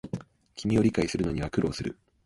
君を理解するのには苦労する